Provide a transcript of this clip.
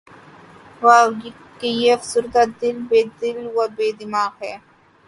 واے! کہ یہ فسردہ دل‘ بے دل و بے دماغ ہے